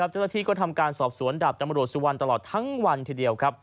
เจ้าหน้าที่ก็ทำการสอบสวนดาบตำรวจสุวรรณตลอดทั้งวันทีเดียว